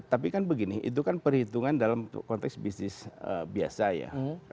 tapi kan begini itu kan perhitungan dalam konteks bisnis biasa ya